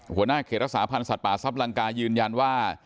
หัวหน้าเขตรักษาพันธ์สัตว์ป่าซับลังกายืนยันว่า